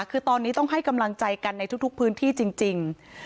คือตอนนี้ต้องให้กำลังใจกันในทุกพื้นที่จริง